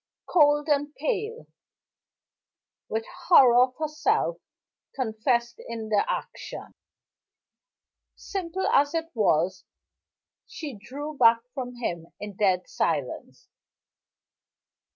Cold and pale with horror of herself confessed in the action, simple as it was she drew back from him in dead silence.